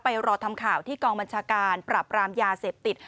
รอทำข่าวที่กองบัญชาการปราบรามยาเสพติด